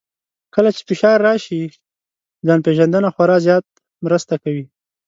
کله چې فشار راشي، ځان پېژندنه خورا زیاته مرسته کوي.